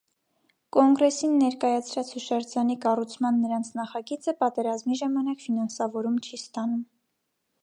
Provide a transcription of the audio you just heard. Կոնգրեսին ներկայացրած հուշարձանի կառուցման նրանց նախագիծը պատերազմի ժամանակ ֆինանսավորում չի ստանում։